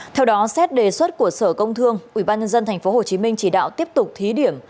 theo đó xét đề xuất của sở công thương ubnd tp hcm chỉ đạo tiếp tục thí điểm